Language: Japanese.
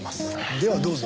ではどうぞ。